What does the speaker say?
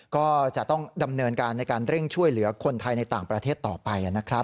ก็จะต้องดำเนินการในการเร่งช่วยเหลือคนไทยในต่างประเทศต่อไปนะครับ